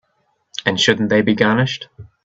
And shouldn't they be garnished?